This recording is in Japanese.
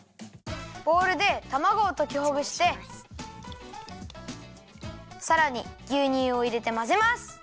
ボウルでたまごをときほぐしてさらにぎゅうにゅうをいれてまぜます。